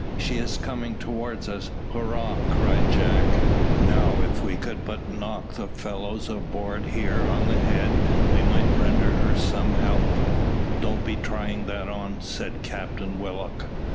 "She is coming towards us. Hurrah!" cried Jack. "Now if we could but knock the fellows aboard here on the head, we might render her some help." "Don't be trying that on," said Captain Willock.